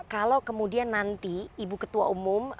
kalau kemudian nanti ibu ketua umum